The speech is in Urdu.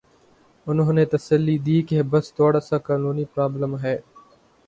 انہوں نے تسلی دی کہ بس تھوڑا سا قانونی پرابلم ہے۔